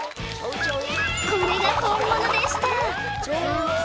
これが本物でした！